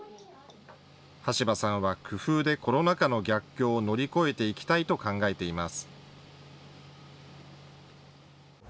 橋場さんは工夫で、コロナ禍の逆境を乗り越えていきたいと考えています。